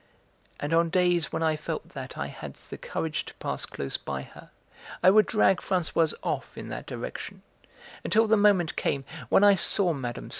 And on days when I felt that I had the courage to pass close by her I would drag Françoise off in that direction; until the moment came when I saw Mme.